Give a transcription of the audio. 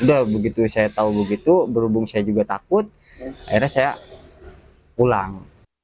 udah begitu saya tahu begitu berhubung saya juga takut akhirnya saya pulang